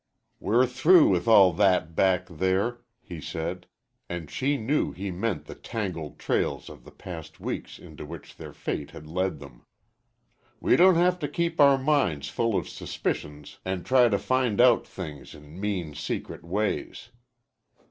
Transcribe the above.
"We're through with all that back there," he said, and she knew he meant the tangled trails of the past weeks into which their fate had led them. "We don't have to keep our minds full of suspicions an' try to find out things in mean, secret ways.